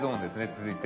続いて。